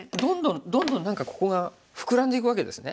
どんどん何かここが膨らんでいくわけですね。